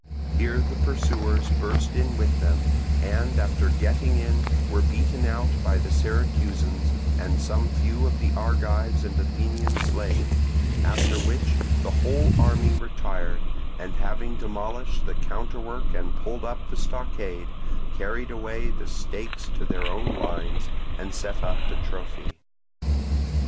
Here the pursuers burst in with them, and after getting in were beaten out by the Syracusans, and some few of the Argives and Athenians slain; after which the whole army retired, and having demolished the counterwork and pulled up the stockade, carried away the stakes to their own lines, and set up a trophy.